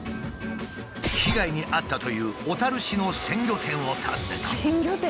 被害に遭ったという小市の鮮魚店を訪ねた。